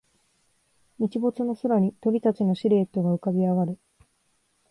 日没の空に鳥たちのシルエットが浮かび上がる